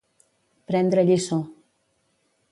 Prendre lliçó.